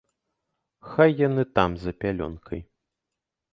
Хай яны там, за пялёнкай.